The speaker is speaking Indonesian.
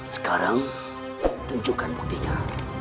sekarang tunjukkan buktinya